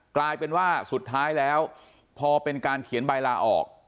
กลายเป็นว่าสุดท้ายแล้วพอเป็นการเขียนใบลาออก